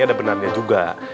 ada benarnya juga